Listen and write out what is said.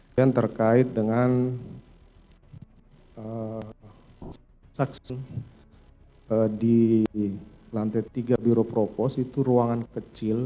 dan terkait dengan saksi di lantai tiga biro propos itu ruangan kecil